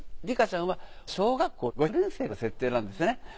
リカちゃんは小学校５年生の設定なんですよね。